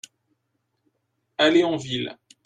Aller en ville.